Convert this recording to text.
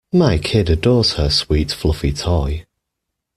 My kid adores her sweet fluffy toy.